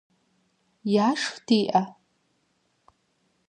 Яшх диӏэ?